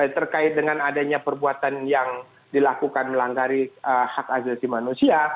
terkait dengan adanya perbuatan yang dilakukan melanggari hak azazi manusia